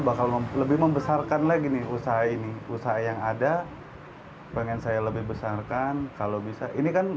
bakal lebih membesarkan lagi nih usaha ini usaha yang ada pengen saya lebih besarkan kalau bisa ini kan